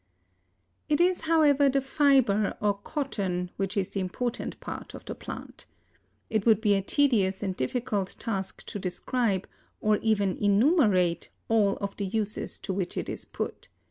It is, however, the fiber, or cotton, which is the important part of the plant. It would be a tedious and difficult task to describe, or even enumerate, all of the uses to which it is put.